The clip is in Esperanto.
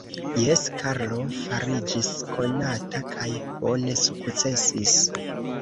Jes, Karlo fariĝis konata kaj bone sukcesis.